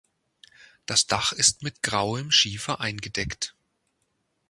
Das Dach ist mit grauem Schiefer eingedeckt.